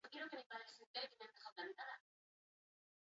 Aterpe faltak eta hotzak berez nahikoa zaila den egoera gaiztotu dute.